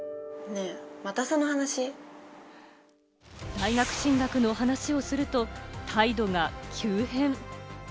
大学進学の話をすると態度が急変。